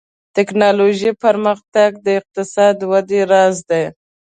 ټکنالوژي پرمختګ د اقتصادي ودې راز دی.